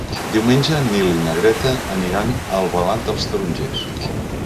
Diumenge en Nil i na Greta aniran a Albalat dels Tarongers.